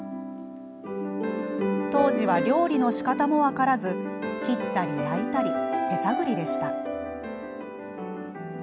当時は、料理のしかたも分からず切ったり焼いたり手探りでした。